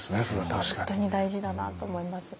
本当に大事だなと思います。